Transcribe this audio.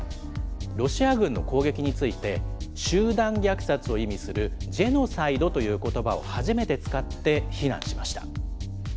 ロシア軍の攻撃について、集団虐殺を意味するジェノサイドということばを初めて使って、非難しました。